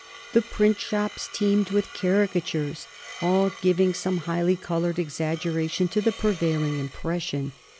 The print shops teemed with caricatures, all giving some highly colored exaggeration of the prevailing impression.